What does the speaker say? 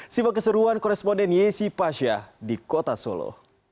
simak keseruan koresponden yesi pasha di kota solo